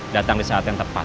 datang di saat yang tepat